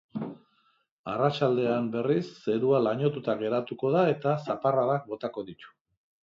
Arratsaldean, berriz, zerua lainotuta geratuko da eta zaparradak botako ditu.